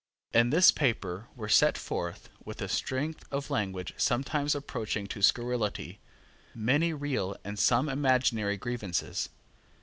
In this paper were set forth, with a strength of language sometimes approaching to scurrility, many real and some imaginary grievances.